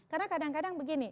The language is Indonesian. karena kadang kadang begini